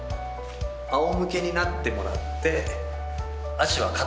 あお向けになってもらって足は肩幅ぐらい。